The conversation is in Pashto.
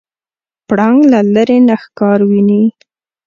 پړانګ له لرې نه ښکار ویني.